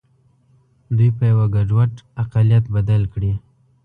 دوی په یوه ګډوډ اقلیت بدل کړي.